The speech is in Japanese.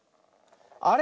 あれ？